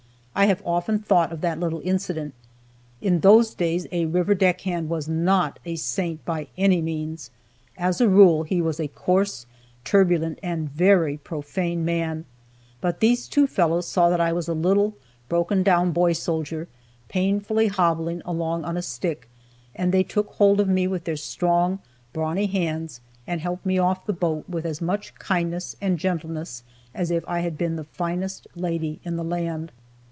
I have often thought of that little incident. In those days a river deck hand was not a saint, by any means. As a rule, he was a coarse, turbulent, and very profane man, but these two fellows saw that I was a little, broken down boy soldier, painfully hobbling along on a stick, and they took hold of me with their strong, brawny hands, and helped me off the boat with as much kindness and gentleness as if I had been the finest lady in the land.